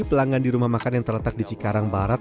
pelanggan di rumah makan yang terletak di cikarang barat